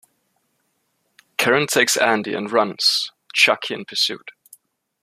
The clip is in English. Karen takes Andy and runs, Chucky in pursuit.